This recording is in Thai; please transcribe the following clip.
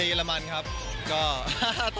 อันนี้ทำให้พูดดี